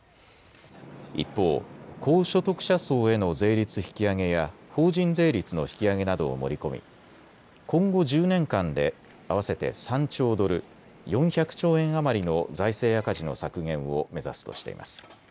一方、高所得者層への税率引き上げや法人税率の引き上げなどを盛り込み今後１０年間で合わせて３兆ドル、４００兆円余りの財政赤字の削減を目指すとしています。